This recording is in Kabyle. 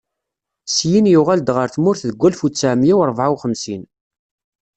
Syin yuɣal-d ɣer tmurt deg walef u ttɛemya u ṛebɛa u xemsin.